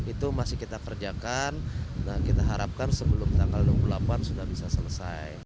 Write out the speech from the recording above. itu masih kita kerjakan dan kita harapkan sebelum tanggal dua puluh delapan sudah bisa selesai